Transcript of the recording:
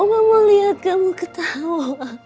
opa mau liat kamu ketawa